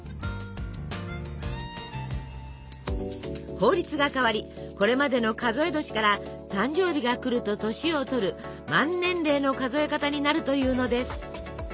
法律が変わりこれまでの数え年から誕生日が来ると年をとる満年齢の数え方になるというのです。